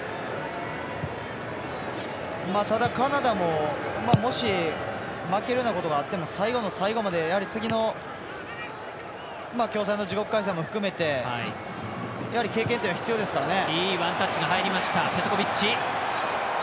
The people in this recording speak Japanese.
ただ、カナダももし負けるようなことがあっても最後の最後まで次の共催の自国開催も含めて経験というのは必要ですからね。